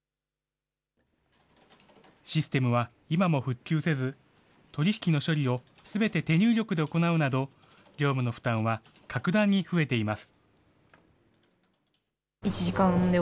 システムは今も復旧せず、取り引きの処理をすべて手入力で行うなど、業務の負担は格段に増えています。